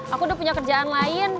aku udah punya kerjaan lain